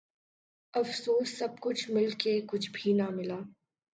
افسوس سب کچھ مل کے کچھ بھی ناں ملا